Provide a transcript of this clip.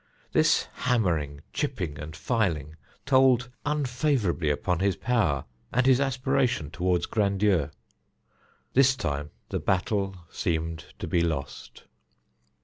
This hammering, chipping, and filing told unfavourably upon his power and his aspiration toward grandeur. This time the battle seemed to be lost.